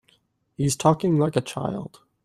He's talking like a child.